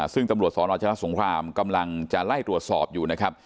ซึ่งตำรวจสนชนะสงครามกำลังจะไล่ตรวจสอบอยู่นะครับ